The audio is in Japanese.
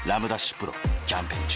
丕劭蓮キャンペーン中